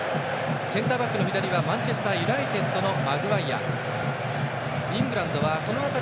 センターバックの左はマンチェスターユナイテッドのマグワイア。